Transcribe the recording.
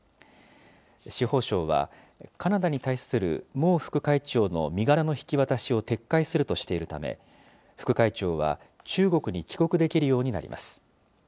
司法省は、カナダに対する孟副会長の身柄の引き渡しを撤回するとしているため、副会長は中国に帰国できるようになります。